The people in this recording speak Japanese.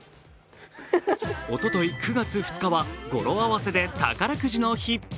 おととい、９月２日は語呂合わせで宝くじの日。